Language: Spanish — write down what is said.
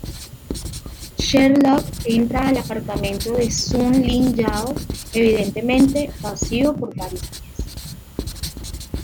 Sherlock entra al apartamento de Soo Lin Yao, evidentemente vacío por varios días.